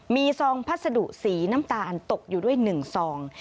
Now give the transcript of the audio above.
มีซองพัสดุสีน้ำตาลตกอยู่ด้วย๑ซอง